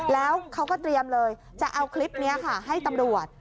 แล้วเขาก็เตรียมเลยจะเอาคลิปนี้ค่ะให้ตำรวจ